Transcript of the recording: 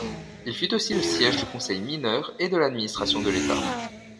Il fut aussi le siège du Conseil Mineur et de l'administration de l'Etat.